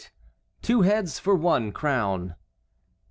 TWO HEADS FOR ONE CROWN.